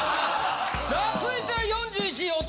さあ続いては４１位。